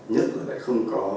nhất là lại không có